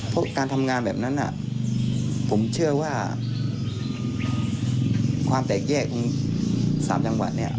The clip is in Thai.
เพราะการทำงานแบบนั้นผมเชื่อว่าความแตกแยกของ๓จังหวัดเนี่ย